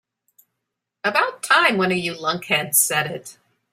About time one of you lunkheads said it.